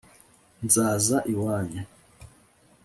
nzaza iwanyu